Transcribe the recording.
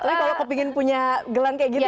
tapi kalau aku pengen punya gelang kayak gitu ya